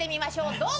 どうぞ。